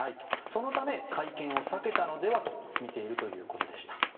そのため、会見を避けたのではとみているということでした。